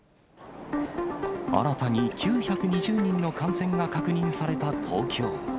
新たに９２０人の感染が確認された東京。